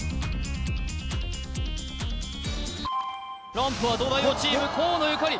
ランプは東大王チーム河野ゆかり